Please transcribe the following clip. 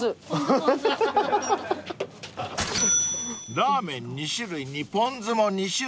［ラーメン２種類にポン酢も２種類］